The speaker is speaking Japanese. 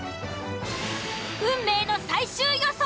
運命の最終予想。